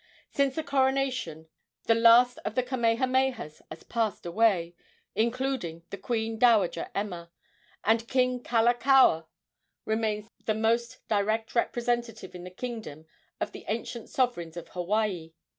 Since the coronation the last of the Kamehamehas has passed away, including the queen dowager Emma, and King Kalakaua remains the most direct representative in the kingdom of the ancient sovereigns of Hawaii.